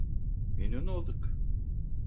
Memnun olduk.